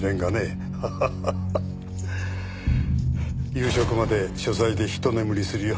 夕食まで書斎でひと眠りするよ。